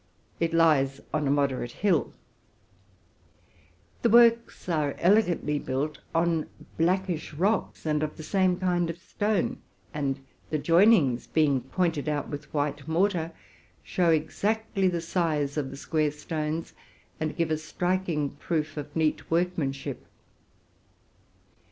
It is situated upon a moderate hill: the works are elegantly built on blackish rocks, and of the same kind of stone; and the joinings, being pointed out with white mortar, show exactly the size of the square stones, and give a striking proof of neat workmanship.